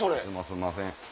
すんません。